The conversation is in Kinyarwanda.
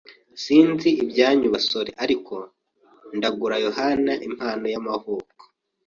Sinzi ibyanyu basore, ariko ndagura yohani impano y'amavuko.